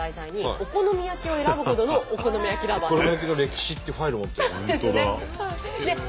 「お好み焼きの歴史」ってファイル持ってる。